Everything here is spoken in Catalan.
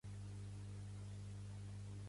Tenir molta merda a les mans